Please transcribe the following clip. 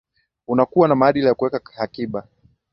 unakua na maadili ya kuweka hakiba